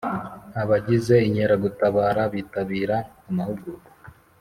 Abagize Inkeragutabara bitabira amahugurwa.